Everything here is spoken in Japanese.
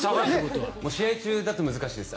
試合中だと難しいです。